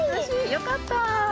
よかった。